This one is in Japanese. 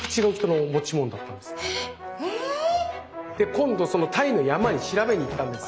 今度そのタイの山に調べに行ったんです。